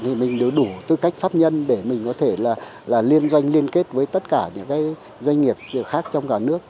thì mình đủ tư cách pháp nhân để mình có thể liên doanh liên kết với tất cả những doanh nghiệp khác trong cả nước